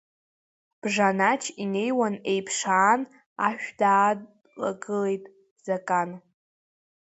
Бжачан инеиуан еиԥш аан, ашә даалагылеит Закан.